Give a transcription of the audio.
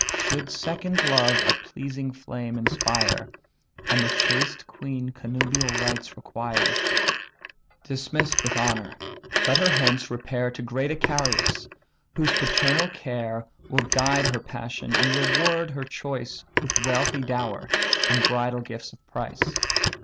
Should second love a pleasing flame inspire, And the chaste queen connubial rights require; Dismiss'd with honour, let her hence repair To great Icarius, whose paternal care Will guide her passion, and reward her choice With wealthy dower, and bridal gifts of price.